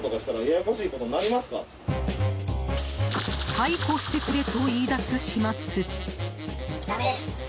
逮捕してくれと言い出す始末。